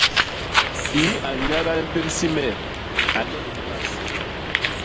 Kii a nnyadal mpék simet a lek hibas!